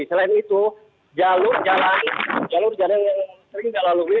selain itu jalur jalan yang sering dilalui